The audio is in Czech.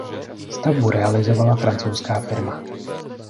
Stavbu realizovala francouzská firma.